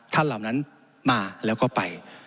เหล่านั้นมาแล้วก็ไป